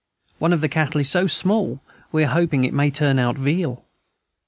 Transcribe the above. One of the cattle is so small, we are hoping it may turn out veal.